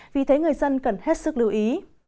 vì thế người dân cần hết sức lưu ý